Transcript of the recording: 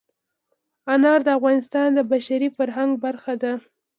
انار د افغانستان د بشري فرهنګ برخه ده.